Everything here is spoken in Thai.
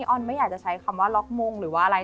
ออนไม่อยากจะใช้คำว่าล็อกมงหรือว่าอะไร